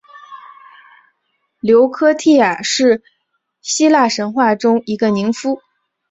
琉科忒亚是希腊神话中一个宁芙。